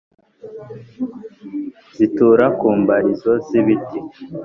Zitura ku mbariro zibiti